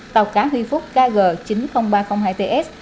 tàu cá huy phúc kg chín mươi nghìn ba trăm linh hai ts